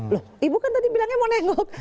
loh ibu kan tadi bilangnya mau nengok